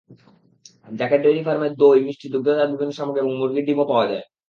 Zaker dairy ফার্মে দই, মিষ্টি, দুগ্ধজাত বিভিন্ন সামগ্রী এবং মুরগির ডিমও পাওয়া যায়।